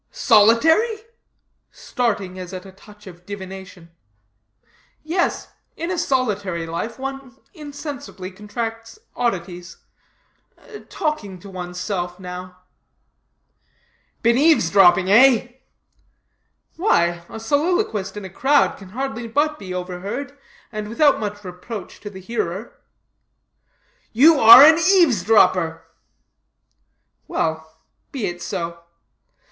"Solitary?" starting as at a touch of divination. "Yes: in a solitary life one insensibly contracts oddities, talking to one's self now." "Been eaves dropping, eh?" "Why, a soliloquist in a crowd can hardly but be overheard, and without much reproach to the hearer." "You are an eaves dropper." "Well. Be it so."